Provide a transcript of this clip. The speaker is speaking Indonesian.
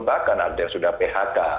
bahkan ada yang sudah phk